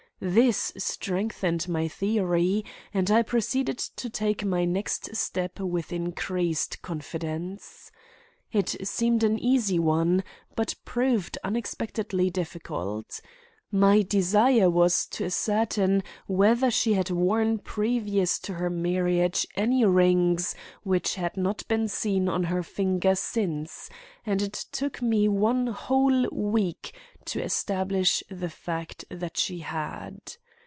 This strengthened my theory, and I proceeded to take my next step with increased confidence. It seemed an easy one, but proved unexpectedly difficult. My desire was to ascertain whether she had worn previous to her marriage any rings which had not been seen on her finger since, and it took me one whole week to establish the fact that she had.